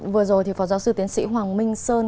vừa rồi thì phó giáo sư tiến sĩ hoàng minh sơn